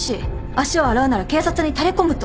足を洗うなら警察にタレコむと。